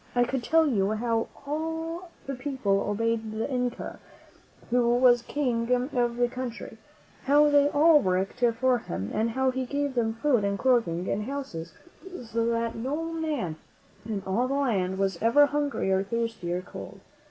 I could tell you how all the people obeyed the Inca, who was King of the country; how they all worked for him, and how he gave thern^ food and clothing and houses, so that no man in all the land was ever hungry or thirsty or cold.